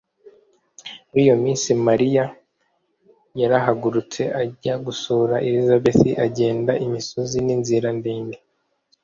muri iyo minsi mariya yarahagurutse ajya gusura elizabeti; agenda imisozi n'inzira ndende